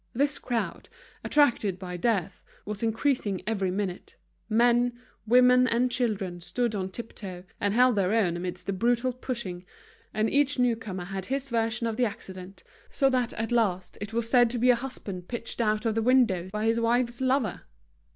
This crowd, attracted by death, was increasing every minute; men, women, and children stood on tip toe, and held their own amidst a brutal pushing, and each new comer had his version of the accident, so that at last it was said to be a husband pitched out of the window by his wife's lover.